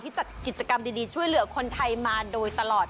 จัดกิจกรรมดีช่วยเหลือคนไทยมาโดยตลอด